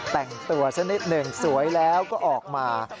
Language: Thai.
แต่งตัวสักนิดหนึ่งสวยแล้วก็ออกมา